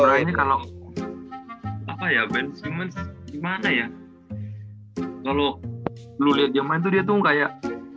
sebenarnya kalau apa ya ben simen gimana ya kalau lu lihat yang main tuh dia tuh kayak